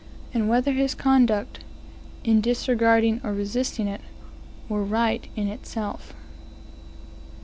and whether his conduct, in disregarding or resisting it, were right in itself?